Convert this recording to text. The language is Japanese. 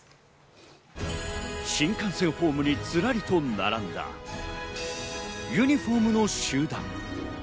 新幹線ホームにズラリと並んだユニホームの集団。